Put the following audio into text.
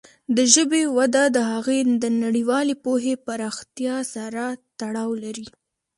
د ژبې وده د هغې د نړیوالې پوهې پراختیا سره تړاو لري.